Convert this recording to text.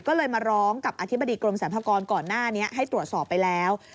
ก็เลยมาร้องกับอธิบดีกรมสรรพากรก่อนหน้านี้ให้ตรวจสอบไปแล้ว